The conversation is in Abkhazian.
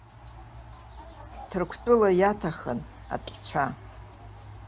Ҭырқәтәыла иаҭахын атәцәа.